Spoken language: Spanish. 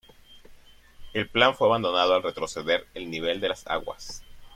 El plan fue abandonado al retroceder el nivel de las aguas.